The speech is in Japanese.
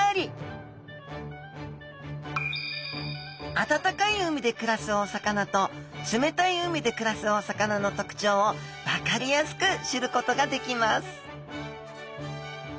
暖かい海で暮らすお魚と冷たい海で暮らすお魚の特徴を分かりやすく知ることができます